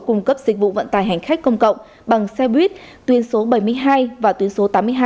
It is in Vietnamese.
cung cấp dịch vụ vận tải hành khách công cộng bằng xe buýt tuyến số bảy mươi hai và tuyến số tám mươi hai